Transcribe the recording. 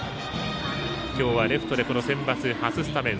今日はレフトでこのセンバツ初スタメン。